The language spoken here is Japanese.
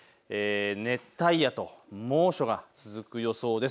熱帯夜と猛暑が続く予想です。